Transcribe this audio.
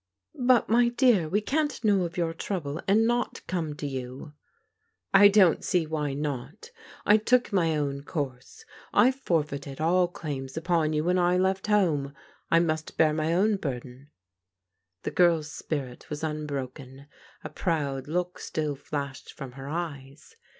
" But, my dear, we can't know of your trouble and not come to you." " I don't see why not. I took my own course. I for feited all claims upon you when I left home. I must bear my own burden." The girl's spirit was unbroken. A proud look still flashed from her eyes.